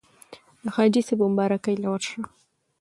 د حاجي صېب اومبارکۍ له ورشه